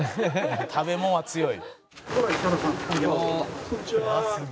食べ物は強い。